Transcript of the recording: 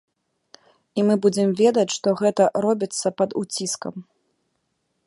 І мы будзем ведаць, што гэта робіцца пад уціскам.